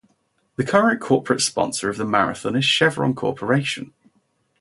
The current corporate sponsor of the marathon is Chevron Corporation.